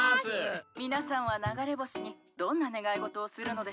皆さんは流れ星にどんな願い事をするのでしょうか。